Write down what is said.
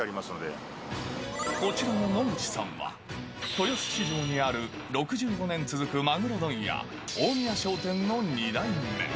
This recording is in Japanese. こちらの野口さんは、豊洲市場にある６５年続くマグロ問屋、大宮商店の２代目。